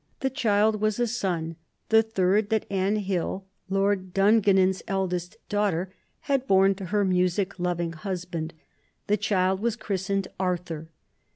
The child was a son, the third that Anne Hill, Lord Dungannon's eldest daughter, had borne to her music loving husband; the child was christened Arthur.